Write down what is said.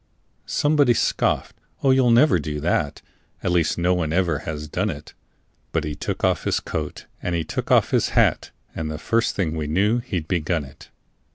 Somebody scoffed: "Oh, you'll never do that; At least no one ever has done it"; But he took off his coat and he took off his hat, And the first thing we knew he'd begun it.